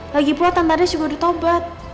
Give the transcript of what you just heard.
lagipula tante andis juga ditobat